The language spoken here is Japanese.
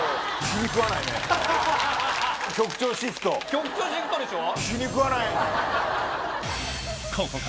局長シフトでしょ？